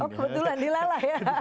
oh kebetulan dilalah ya